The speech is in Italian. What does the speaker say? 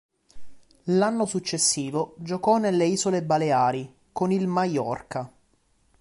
L'anno successivo giocò nelle Isole Baleari, con il Maiorca.